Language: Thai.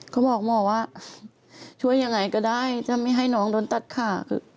ก็บอกหมอว่าช่วยยังไงก็ได้ถ้าไม่ให้น้องโดนตัดขา